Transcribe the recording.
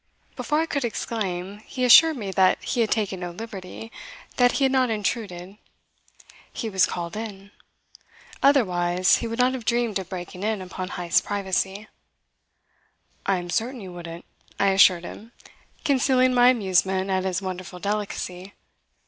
Before I could exclaim, he assured me that he had taken no liberty, that he had not intruded. He was called in. Otherwise he would not have dreamed of breaking in upon Heyst's privacy. "I am certain you wouldn't," I assured him, concealing my amusement at his wonderful delicacy.